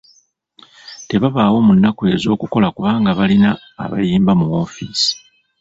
Tebabaawo mu nnaku ez'okukola kubanga balina abayambi mu woofiisi.